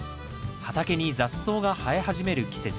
畑に雑草が生え始める季節。